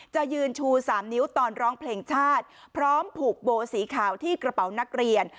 จะยืนชู๓นิ้วตอนร้องเพลงชาติพร้อมผูกโบสีขาวที่กระเป๋านักเรียน